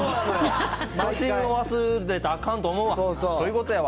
初心を忘れたらあかんと思うわ。